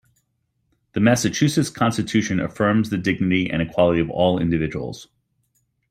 The Massachusetts Constitution affirms the dignity and equality of all individuals.